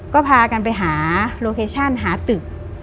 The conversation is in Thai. ก็พากันไปหาโลเคชั่นหาตึก